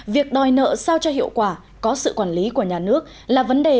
việc đòi nợ sao cho hiệu quả có sự quản lý của nhà nước là vấn đề